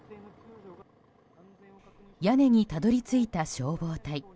屋根にたどり着いた消防隊。